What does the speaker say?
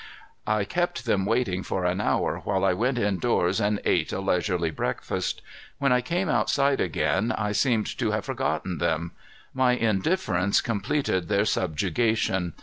I kept them waiting for an hour while I went indoors and ate a leisurely breakfast. When I came outside again, I seemed to have forgotten them. My indifference completed their subjugation.